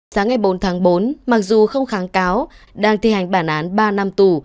sáng ngày bốn tháng bốn mặc dù không kháng cáo đang thi hành bản án ba năm tù